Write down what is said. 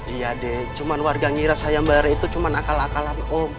iya deh cuma warga ngira sayam bara itu cuma akal akalan om